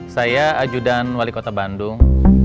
saya ajudan wali kota bandung